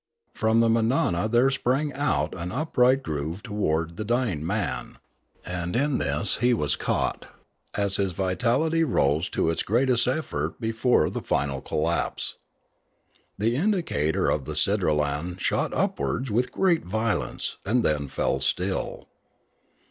From the manana there sprang out an upright groove towards the dying man, and in this he was caught, as his 37& Limanora vitality rose to its greatest effort before the final collapse. The indicator of the sidralan shot upwards with great violence, and then fell still.